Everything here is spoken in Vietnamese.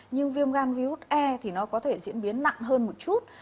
nhưng viêm gan virus e thì nó có thể diễn biến nặng hơn một chút